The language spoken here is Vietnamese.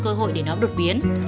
cơ hội để nó được biến